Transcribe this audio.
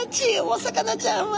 お魚ちゃんは？